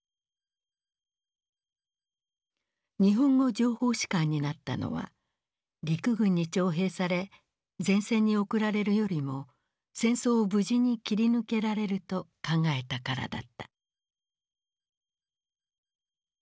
日本語情報士官になったのは陸軍に徴兵され前線に送られるよりも戦争を無事に切り抜けられると考えたからだった。